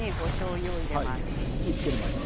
火をつける前ね。